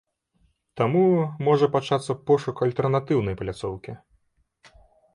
Таму можа пачацца пошук альтэрнатыўнай пляцоўкі.